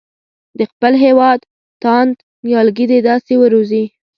د خپل هېواد تاند نیالګي دې داسې وروزي.